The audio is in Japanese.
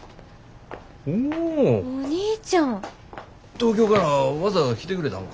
東京からわざわざ来てくれたんか？